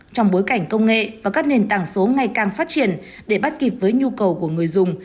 trong bối cảnh công nghệ và các nền tảng số ngày càng phát triển để bắt kịp với nhu cầu của người dùng